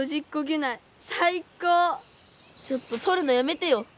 ちょっととるのやめてよ！